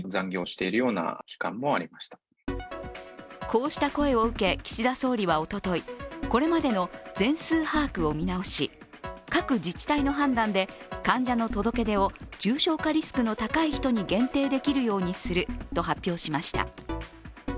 こうした声を受け、岸田総理はおととい、これまでの全数把握を見直し、各自治体の判断で患者の届け出を重症化リスクの高い人に限定できるようにすると発表しました。